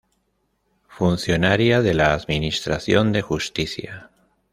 Funcionaria de la Administración de Justicia.